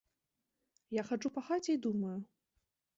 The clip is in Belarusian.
Я хаджу па хаце і думаю.